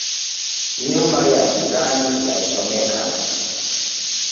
Nyumba ya jirani yachomeka